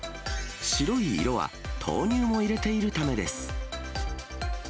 白い色は豆乳も入れているためです。